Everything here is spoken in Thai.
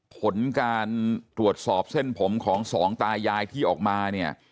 ผลการตรวจสอบเส้นผมของสองตายายที่ออกมาเนี่ย